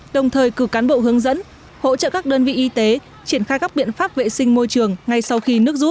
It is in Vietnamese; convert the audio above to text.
đồng thời cử cán bộ hướng dẫn hỗ trợ các đơn vị y tế triển khai các biện pháp vệ sinh môi trường ngay sau khi nước rút